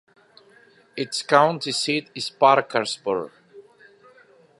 Its county seat is Parkersburg.